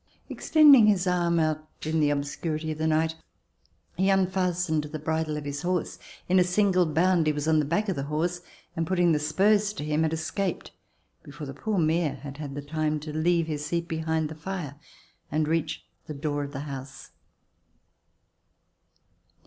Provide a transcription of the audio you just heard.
Extending his arm out in the ob scurity of the night, he unfastened the bridle of his horse. In a single bound he was on the back of the horse and, putting the spurs to him, had escaped before the poor Mayor had had the time to leave his seat beside the fire and reach the door of the house.